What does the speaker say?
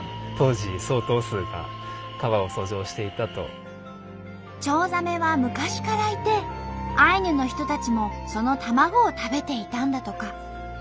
伝記でチョウザメは昔からいてアイヌの人たちもその卵を食べていたんだとか。